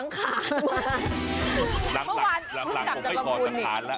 นักหลังนักหลังผมไม่ทอสัมภาษณ์ละ